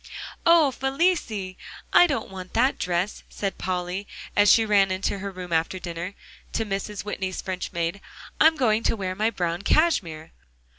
"Oh, Felicie! I don't want that dress," said Polly as she ran into her room after dinner, to Mrs. Whitney's French maid, "I'm going to wear my brown cashmere."